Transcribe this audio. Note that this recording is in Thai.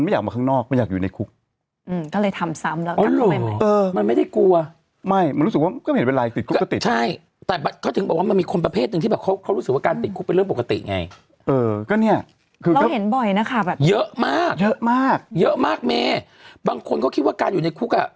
มันไม่อยากมาข้างนอกมันอยากอยู่ในคุก